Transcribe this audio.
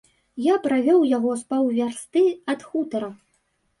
Я правёў яго з паўвярсты ад хутара.